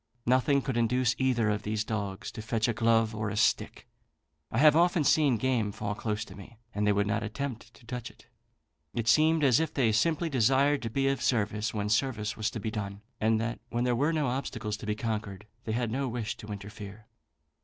Nothing could induce either of these dogs to fetch a glove or a stick: I have often seen game fall close to me, and they would not attempt to touch it. It seemed as if they simply desired to be of service when service was to be done; and that when there were no obstacles to be conquered, they had no wish to interfere.